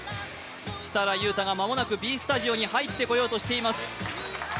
設楽悠太がＢスタジオに入ってこようとしています。